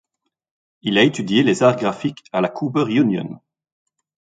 Il a étudié les arts graphiques à la Cooper Union.